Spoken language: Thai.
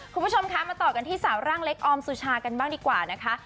คุณผู้ชมคะมาต่อกันที่สาวร่างเล็กออมสุชากันบ้างดีกว่านะคะ